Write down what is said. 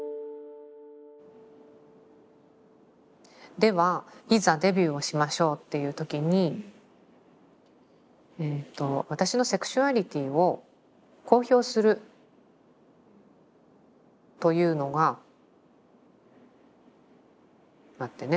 ではいざデビューをしましょうっていう時に私のセクシュアリティを公表するというのが待ってね。